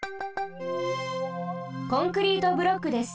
コンクリートブロックです。